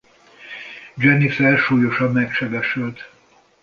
Jennifer súlyosan megsebesült.